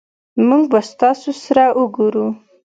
مونږ به ستاسو سره اوګورو